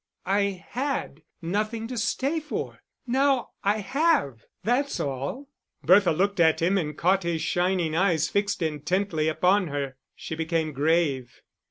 "I had nothing to stay for. Now I have, that's all." Bertha looked at him, and caught his shining eyes fixed intently upon her. She became grave.